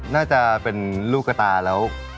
น่าจะเป็นลูกกระตาแล้ว